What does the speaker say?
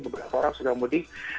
beberapa orang sudah mudik